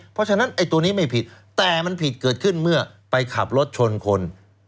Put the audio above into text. เพราะฉะนั้นไอ้ตัวนี้ไม่ผิดแต่มันผิดเกิดขึ้นเมื่อไปขับรถชนคน